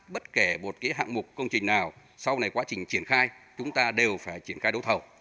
cái hạng mục công trình nào sau này quá trình triển khai chúng ta đều phải triển khai đấu thầu